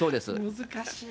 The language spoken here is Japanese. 難しい。